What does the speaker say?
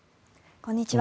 こんにちは。